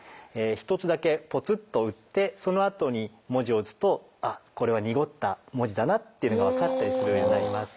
１つだけぽつっと打ってそのあとに文字を打つとこれは濁った文字だなっていうのが分かったりするようになります。